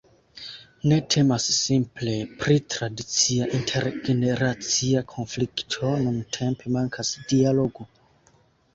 Ne temas simple pri tradicia intergeneracia konflikto: nuntempe mankas dialogo.